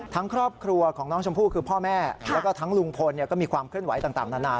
ครอบครัวของน้องชมพู่คือพ่อแม่แล้วก็ทั้งลุงพลก็มีความเคลื่อนไหวต่างนานา